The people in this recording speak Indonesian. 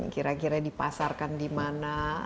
kira kira dipasarkan di mana